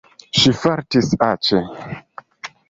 Ŝi fartis aĉe.